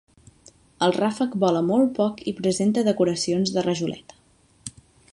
El ràfec vola molt poc i presenta decoracions de rajoleta.